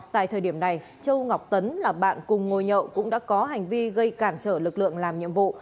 tại thời điểm này châu ngọc tấn là bạn cùng ngồi nhậu cũng đã có hành vi gây cản trở lực lượng làm nhiệm vụ